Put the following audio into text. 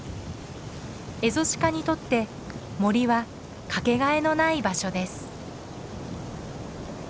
エゾシカにとって森はかけがえのない場所です。